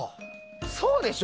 そうでしょ？